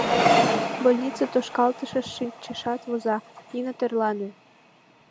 Больнице тошкалтышыш шинчешат, воза: «Нина, тӧрлане!